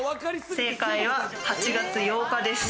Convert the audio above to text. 正解は、８月８日です。